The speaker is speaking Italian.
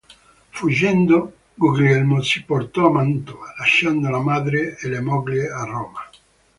Fuggendo, Guglielmo si portò a Mantova, lasciando la madre e la moglie a Roma.